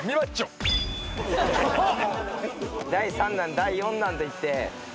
第３弾第４弾と行って。